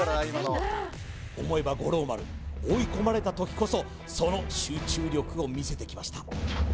今の思えば五郎丸追い込まれた時こそその集中力を見せてきました